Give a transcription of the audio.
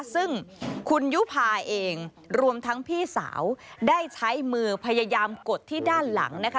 ซึ่งคุณยุภาเองรวมทั้งพี่สาวได้ใช้มือพยายามกดที่ด้านหลังนะคะ